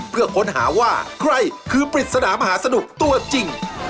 เพื่อค้นหาว่าใครคือปริศนามหาสนุกตัวจริง